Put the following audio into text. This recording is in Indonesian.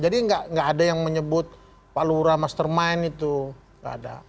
jadi nggak ada yang menyebut pak lurah mastermind itu nggak ada